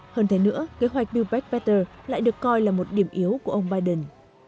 hơn thế nữa kế hoạch build back better lại được coi là một điểm yếu của ông biden